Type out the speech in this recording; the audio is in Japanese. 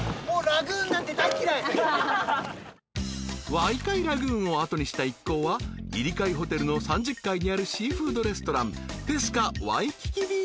［ワイカイラグーンを後にした一行はイリカイホテルの３０階にあるシーフードレストランペスカ・ワイキキビーチへ］